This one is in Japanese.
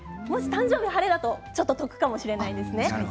誕生日、晴れだとちょっとお得かもしれないですね。